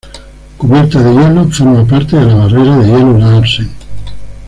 Cubierta de hielo, forma parte de la barrera de hielo Larsen.